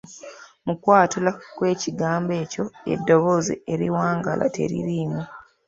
Mu kwatula kw'ekigambo ekyo eddoboozi eriwangaala teririimu.